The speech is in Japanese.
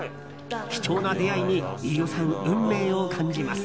貴重な出会いに飯尾さん運命を感じます。